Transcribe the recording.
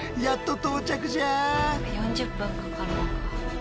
４０分かかるのか。